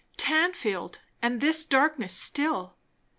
Tanfield! and this darkness still.